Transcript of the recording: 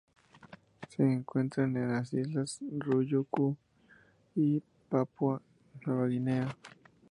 Se encuentran en las Islas Ryukyu y Papúa Nueva Guinea.